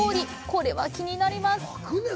これは気になります！